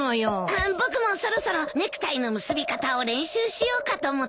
あっ僕もそろそろネクタイの結び方を練習しようかと思って。